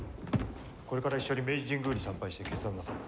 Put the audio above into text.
これから一緒に明治神宮に参拝して決断なさる。